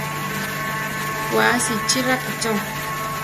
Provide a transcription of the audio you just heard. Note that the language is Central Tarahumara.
Wasi chi rakícho.